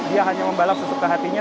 dia hanya membalap sesuka hatinya